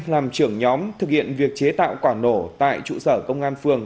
làm trưởng nhóm thực hiện việc chế tạo quả nổ tại trụ sở công an phường